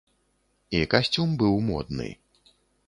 І касцюм быў модны.